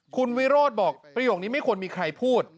คุณวิโรธบอกประโยคนี้ไม่ควรมีใครพูด